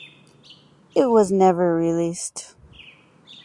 It was never released.